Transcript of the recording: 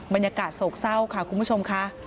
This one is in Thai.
บรรยากาศโศกเศร้าค่ะคุณผู้ชมค่ะ